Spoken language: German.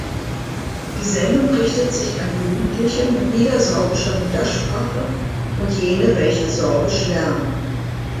Die Sendung richtet sich an Jugendliche mit niedersorbischer Muttersprache und jene, welche Sorbisch lernen.